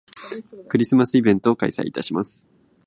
クリスマスイベントを開催いたします